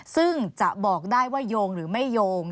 ซึ่งจะบอกได้ว่าโยงหรือไม่โยง